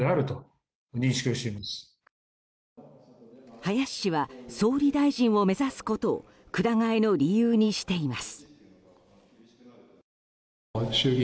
林氏は総理大臣を目指すことをくら替えの理由にしています。